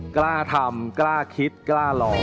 กล้าทำกล้าคิดกล้ารอ